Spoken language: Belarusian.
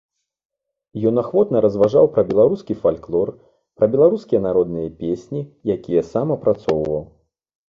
Ён ахвотна разважаў пра беларускі фальклор, пра беларускія народныя песні, якія сам апрацоўваў.